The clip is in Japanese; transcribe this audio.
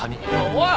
おい。